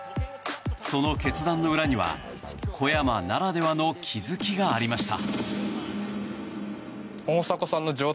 その決断の裏には小山ならではの気づきがありました。